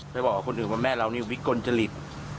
ไปบอกกับคนอื่นว่าแม่เรานี่วิกลจริต